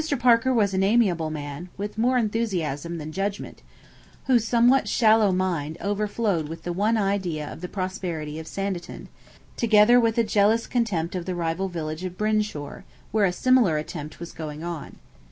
Parker was an amiable man, with more enthusiasm than judgment, whose somewhat shallow mind overflowed with the one idea of the prosperity of Sanditon, together with a jealous contempt of the rival village of Brinshore, where a similar attempt was going on.